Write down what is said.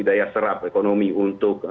daya serap ekonomi untuk